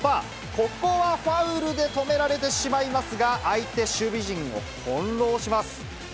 ここはファウルで止められてしまいますが、相手守備陣を翻弄します。